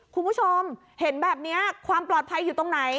คุณผู้ชมเห็นแบบนี้ความปลอดภัยอยู่ตรงไหน